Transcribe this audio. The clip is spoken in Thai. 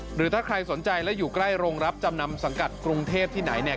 หรือถ้าใครสนใจและอยู่ใกล้โรงรับจำนำสังกัดกรุงเทพที่ไหนเนี่ย